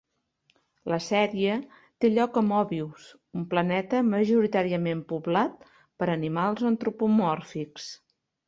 La sèrie té lloc a Mobius, un planeta majoritàriament poblat per animals antropomòrfics.